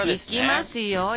いきますよ。